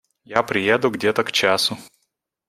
Я приеду где-то к часу.